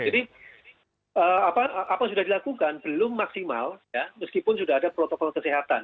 jadi apa sudah dilakukan belum maksimal ya meskipun sudah ada protokol kesehatan